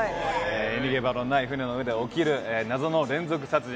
逃げ場のない船の上で起きる謎の連続殺人。